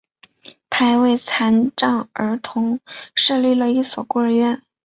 他还为残障儿童设立了一所孤儿院。